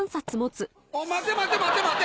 おい待て待て待て待て！